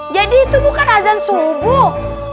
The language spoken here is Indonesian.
jadi itu bukan ajan subuh